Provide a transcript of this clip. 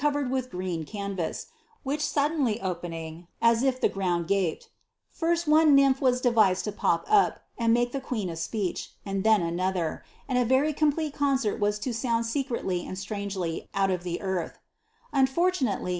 ani] coTcred with green canvas, which suddenly openbg, as if ihe ground gaped, " first one nymph was devised lo pop up, and make tiie (]uecn a speech, and ihen another; and a very complete concert tm to sound Eecretly and strangely out of the earth " Unroitunaiely.